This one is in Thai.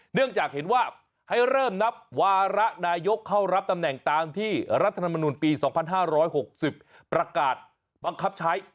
เนื่องจากเห็นว่าให้เริ่มนับวาระนายกเข้ารับตำแหน่งตามที่รัฐธรรมนุนปี๒๕๖๐ประกาศบังคับใช้